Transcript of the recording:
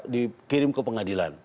dikirim ke pengadilan